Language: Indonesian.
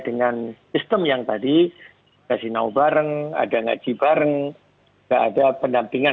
dan sistem yang tadi ada sinaw bareng ada ngaji bareng tidak ada pendampingan